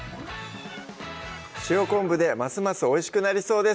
塩昆布でますますおいしくなりそうです